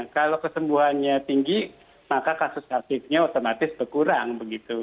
kalau kesembuhannya tinggi maka kasus aktifnya otomatis berkurang begitu